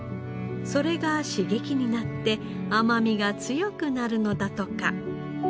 それが刺激になって甘みが強くなるのだとか。